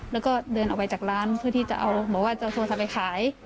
แล้วก็เดินออกไปจากร้านเพื่อที่จะเอาบอกว่าจะเอาโทรศัพท์ไปขาย